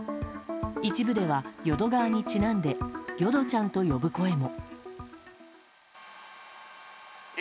一部では、淀川にちなんでよどちゃんと呼ぶ声も。